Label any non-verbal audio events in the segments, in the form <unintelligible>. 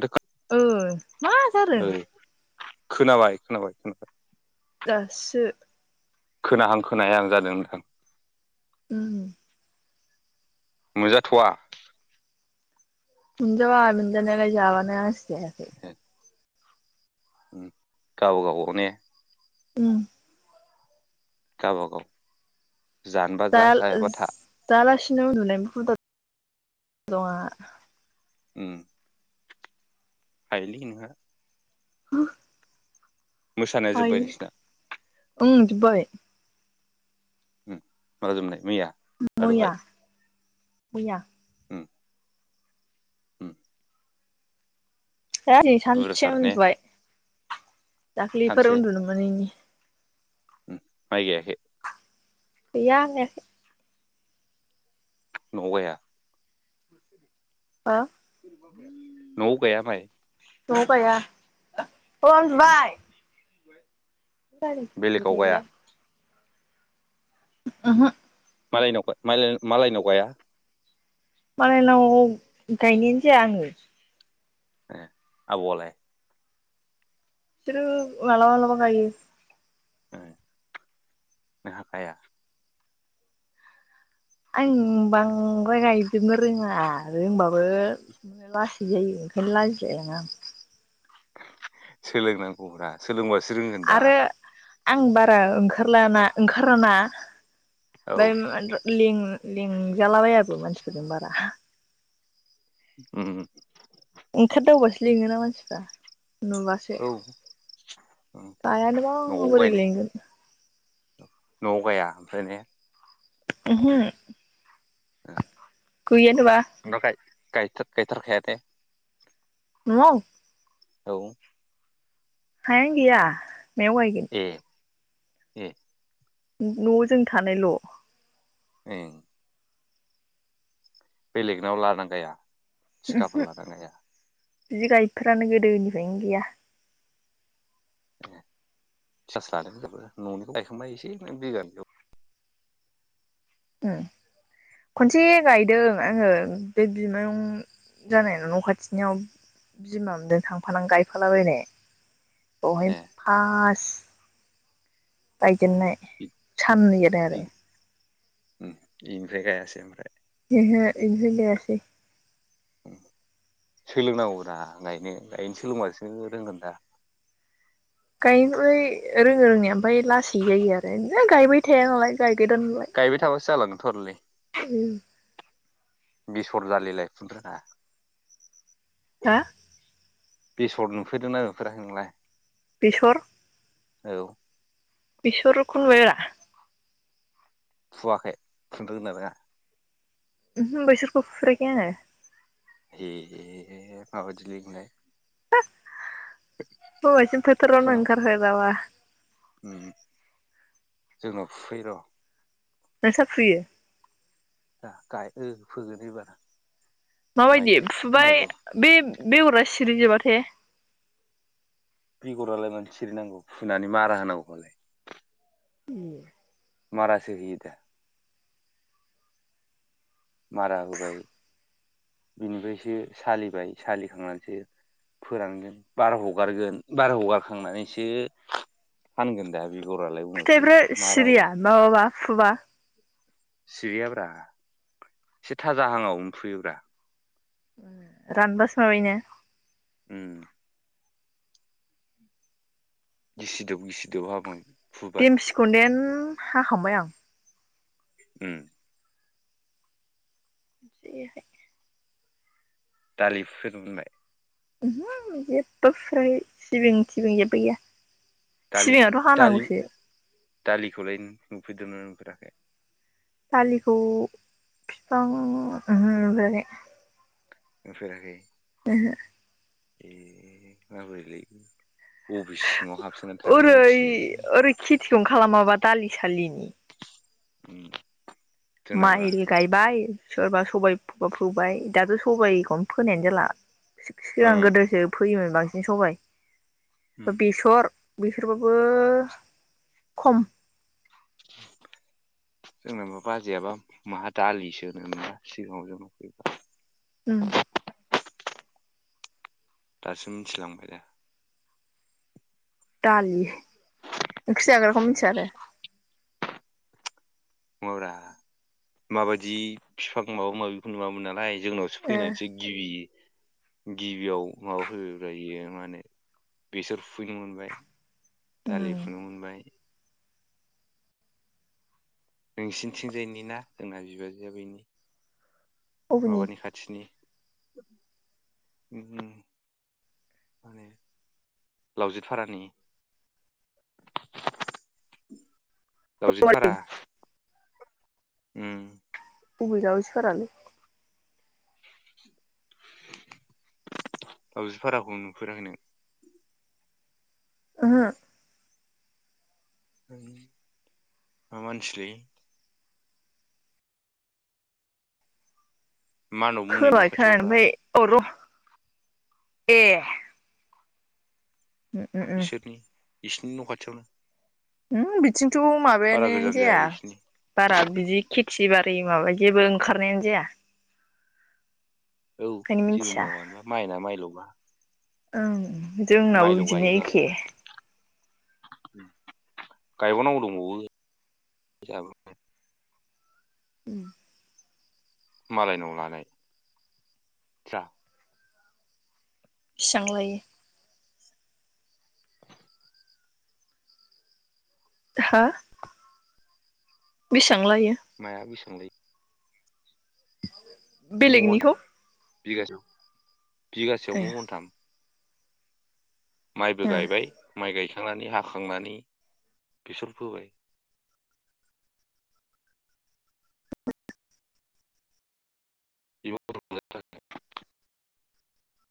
आरो ओ मा जादों ओइ खोनाबाय खोनाबाय ओम दासो खोनाहां खोनायाहां जादों नोंथां उम मोनजाथ'वा मोनजाबा मोनजानायालाय जाबानो आरो जायाखै गाव गावबागाव ने? उम जाबावगौ दाल दला बिनो उन्दुनाय हुदा दङ आंहा उ फायलि <unintelligible> ह मोसानाया जोब्बाय नोंसिना? जोबबाय उम माब्ला जोबनाय मैया? ना मैया दहाय -मैया उम उम। दा ओरैनो सानसे बुरजाथार ने उन्दुबाय। दाख्लिफोर सानसे उन्दुनोमोनिनि उम माइ गायाखै? गैया गायाखै। न'आव गाया? <unintelligible> न'आव गाया माइ? न'आव गाया। ओ <unintelligible> बेलेगाव गाया <unintelligible> ओहो। मालायनाव - मा-मालायनाव गाया? मालायनाव गायनायानो जाया आङो। ए आब'आलाय? इसोरो मालाबा -मालाबा गायो। <unintelligible> आं बांद्राय गायजोबनो रोङा रोंबाबो लासै जायो। ओंखायनो लाजिलाय लाङो आं। सोलोंनांगौब्रा सोलोंबासो रोंगोन दा। आरो आं बारा ओंखारलाना -ओंखाराना। <unintelligible> औ ले -ले लिंजालाबायाबो मानसिफोरजों बारा। ओम ओम। ओंखारदावबासो लिङोना मानसिफ्रा। नुबासो औ उम गायानोबा न'आव बोरै गायनो लेंगोन। न'आव गाया ओमफ्रायनो उमहो। गैयानोबा गाय-गायथारखायादे न'आव? औ। हायानो गैया। मायाव गायगोन? ए ए न' आव जों थानायल' ए बेलेगनायाव लानो हाया? थिखाफोर‌ लायोना लाया? बिदि गायफेरानो गोदोनिफ्रायनो गैया। थिखासो लादो जोंहाबो ननिखौ गायखांबाय एसे बिघानै खनसे गायदों आङो बे बिमायं जानाय नाव न' खाथिनियाव बिमा मोनजों थांफानानानै गायफालाबायनाय बहाय ए फा गायजेननाय सान नै होदो आरो। बेनिफ्राय गायासै आमफ्राय? ह हे इदिै जायासै सोलोंनांगौ रा गायनो गायनो सोलोंबासो रोंगोन दा। आम बै रोङो रोंनाया आमफ्राइ लासै जायो आरो। है गायबाय थाया नालाय गायगोदान थरलि ओम। बेसर जालि लाय फुनो रोङा हा बेसर नुफेरदोंना नुफेराखै नोंलाय? बेसर? औ बेसरखौ नुयो रा फुवाखै फुनो रोंगौना रोङा ओमहो बेसरखौ फुफेराखै आङो हे मा बायदिलै‌ नोंलाय हो होनबायसिनो फोथारावनो फुनाव ओंखार फेराबा जोंनाव फुफै र' नोंस्रा फुयो? ओहो फोगोन एबार माइ माबायदि गाय माइ फुबाय गाय बे बेगरा सिरि‌जोबा हे बेगरालाय मानो सिरिनांगौ फुनानै मारा होनांगौखौलाय ए मारासो होयोदा। मारा होबाय बिनिफ्रायसो सालिबाय सालिखांनानैसो फोरानगोन बार हगारगोन बार हगारखांनानैसो फानगोन दा। बेगरालाय उनावसो फिथाइफोरा मारा सिरिया माबाबा फुबा सिरिया ब्रा एसे थाजाहाङाव मोनफुयोब्रा। रानबा साबायनो उम। गिसि दोब गिसि दोब हाबाय। फुबाय देमसिखौदेन हाखांबाय आं। ओम देहाय दालि फुफेरनो मोनबाय? ओमहो आं जेबो फुफेराखै सिबिं थिबिं जेबो गैया। दालि सिबिङाथ' दालि हानांगौसो। दालिखौलाय नुफेरदोंमोन नुफेराखै? दालिखौ बिफां ओहो नुफेराखै। नुफेराखै। ओहो ए माबोरैलै। अफिस सिङाव हाबसोनानै थानाय ओरै मानसिलै ओरै खेथिखौनो खालामाबा दालि सालिनि। उम माइ जोंनाबा ओरि गायबाय सोरबा सबाइ फो-फोबाय दाथ' सबाइखौनो फोनायानो जाला। सि-सिगां उम गोदोसो फैयोमोन। बांसिन सबाइ उम बेसर, बेसरबाबो खम जोंनाबा बाजैयाबा माहा दालि सोनो <inaudible> जोंनाव फै उम दासो मिथिलांबाय दा दालि ओंख्रि जाग्राखौ उम मिथिया आरो? नङाब्रा माबायदि बिफां माबा माबिखौ नुवामोन नालाय जोंनावसो फैनानैसो गिबि गिबियाव माबा फैबायब्रा बियो मा होनो बेसर फुफैनो मोनबाय दालि फुनो ओ मोनबाय। नोंसिनिथिंजायनि ना जोंना बिबाजैआ बैनि उम बबेनि माबानि खाथिनि ‌ ओम माने लावजि फारानि लावजिफारा उम बबे दावजिफारालै? लावजिफाराखौ नुफेराखै नों? ओहो? मा मानसिलै। मानबमोननि न' खोलायखा खाथियावब्रा ओमफ्राय अर ए उ उ उ बिसोरनि बिसिनि न' खाथियावनो ओम बिथिंथ माबाया बारा नायानो गोजान जाया आरो बिसिनि बारा बिदि खेथि बारा ओ माबा जेबो ओंखारनायानो जाया औ ओंखायनो जेबो मिथिया मावानोबा माइना माइलबा औ जोंनावबो माइल' बिदिनो गायो नालाय एखे गायबावनांगौ दंबावो जाहाबो उम मालायनाव लानाय जा बिसां लायो हा बि माया बिबां लायो बेलेगनिखौ बिगासेआव ए बिगासेयावनो मनथाम माइबो उम गायबाय माइ गायख खांनानै हाखांनानै बेसर फोबाय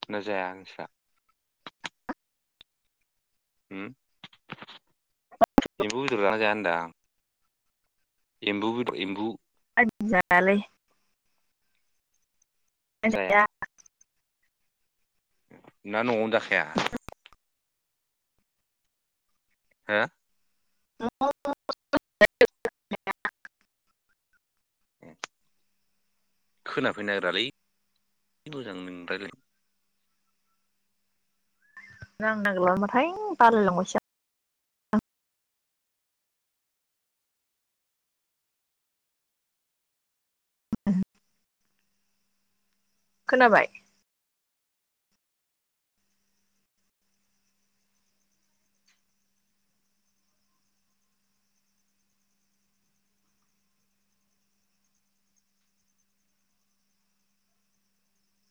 ना जायांस्रा <unintelligible> ओम एमबु बेदर जाहोना जाया होनदो आं <unintelligible> एम्बु बेदर एम्बु ओत आयालै आं जाया ना नआवनो जाखाया हो <unintelligible> ए खोनाफैनो नागिरालै मोजां नों राय्लायनो <unintelligible> नांनो नागिरलाबाथाइ <unintelligible> बालायलांबायसो आ खोनाबाय